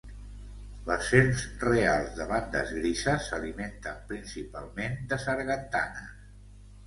Les serps reals de bandes grises s'alimenten principalment de sargantanes.